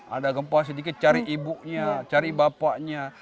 ada gempa sedikit cari ibunya cari bapaknya